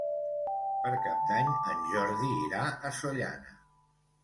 Per Cap d'Any en Jordi irà a Sollana.